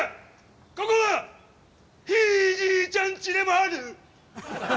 ここはひいじいちゃんちでもある！